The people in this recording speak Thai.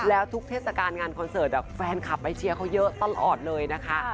แล้วทุกเทศกาลงานคอนเสิร์ตแฟนคลับไปเชียร์เขาเยอะตลอดเลยนะคะ